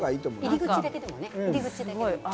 入り口だけでもね。